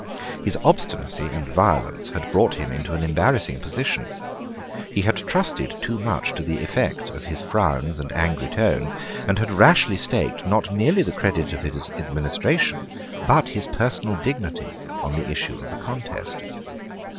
His obstinacy and violence had brought him into an embarrassing position. He had trusted too much to the effect of his frowns and angry tones, and had rashly staked, not merely the credit of his administration, but his personal dignity, on the issue of the contest.